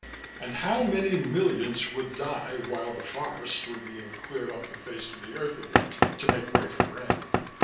And how many millions would die while the forests were being cleared off the face of the Earth again to make way for grain?